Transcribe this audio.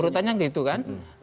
urutannya gitu kan